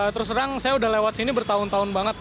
terus terang saya udah lewat sini bertahun tahun banget